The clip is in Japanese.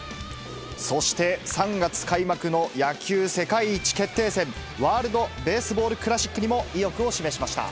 そして３月開幕の野球世界一決定戦、ワールドベースボールクラシックにも意欲を示しました。